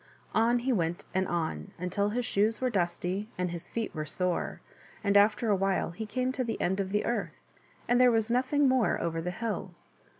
On he went and on, until his shoes were dusty, and his feet were sore, and after a while he came to the end of the earth, and there was nothing more over the hill.